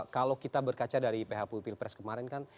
kalau kita berkaca dari phpu pilpres kemarin kan